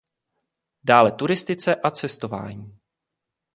Dále turistice a cestování.